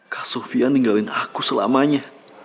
kaka sofia ninggalin aku selamanya